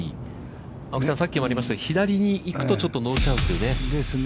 青木さん、さっきもありましたが、左に行くとちょっとノーチャンスというね。ですね。